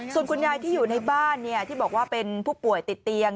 ส่วนคุณยายที่อยู่ในบ้านที่บอกว่าเป็นผู้ป่วยติดเตียง